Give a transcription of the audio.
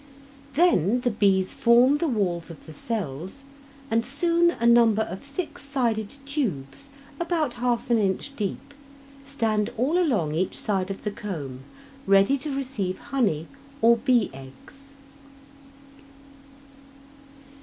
Then the bees form the walls of the cells and soon a number of six sided tubes, about half an inch deep, stand all along each side of the comb ready to receive honey or bee eggs.